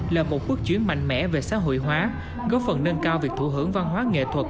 là một bước chuyển mạnh mẽ về xã hội hóa góp phần nâng cao việc thụ hưởng văn hóa nghệ thuật